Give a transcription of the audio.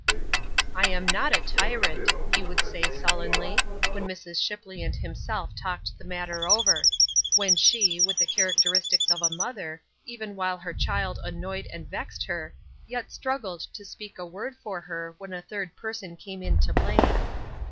"I am not a tyrant," he would say sullenly, when Mrs. Shipley and himself talked the matter over; when she, with the characteristics of a mother, even while her child annoyed and vexed her, yet struggled to speak a word for her when a third person came in to blame.